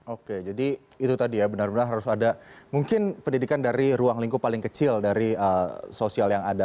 oke jadi itu tadi ya benar benar harus ada mungkin pendidikan dari ruang lingkup paling kecil dari sosial yang ada